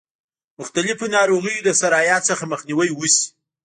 مختلفو ناروغیو د سرایت څخه مخنیوی وشي.